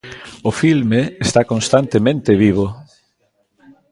O filme está constantemente vivo.